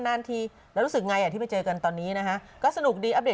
บัตรศุกร์ใจอย่างนี้หรอ